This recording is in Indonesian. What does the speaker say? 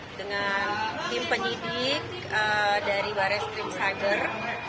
aku senang banget dengan tim penyidik dari bares krim sager